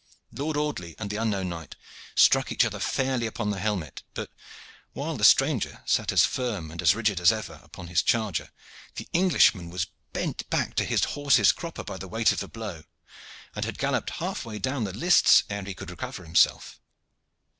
Lord Audley and the unknown knight struck each other fairly upon the helmet; but, while the stranger sat as firm and rigid as ever upon his charger, the Englishman was bent back to his horse's cropper by the weight of the blow, and had galloped half way down the lists ere he could recover himself.